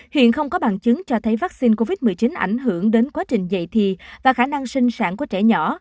hiện không có bằng chứng cho thấy vaccine covid một mươi chín ảnh hưởng đến quá trình dạy thì và khả năng sinh sản của trẻ nhỏ